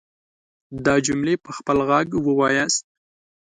دا جملې په خپل غږ وواياست.